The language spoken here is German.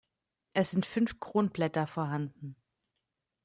Es sind fünf Kronblätter vorhanden.